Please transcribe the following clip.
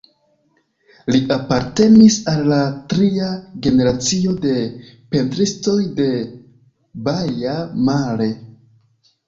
Li apartenis al la tria generacio de pentristoj de Baia Mare.